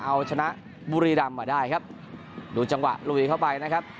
เอาชนะบุรีรำมาได้ครับดูจังหวะลุยเข้าไปนะครับ